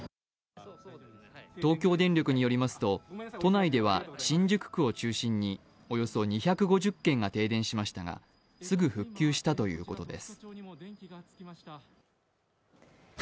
東京電力によりますと、都内では新宿区を中心におよそ２５０軒が停電しましたが、すぐ復旧したということです。